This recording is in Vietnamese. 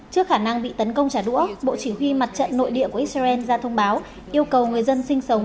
trước khả năng bị tấn công trả đũa bộ chỉ huy mặt trận nội địa của israel ra thông báo yêu cầu người dân sinh sống